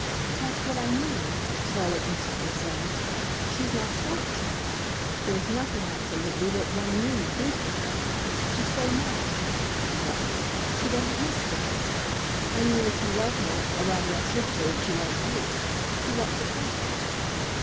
"That's what I mean," Charlotte instantly said. "She's not selfish enough. There's nothing, absolutely, that one NEED do for her. She's so modest," she developed "she doesn't miss things. I mean if you love her or, rather, I should say, if she loves you. She lets it go."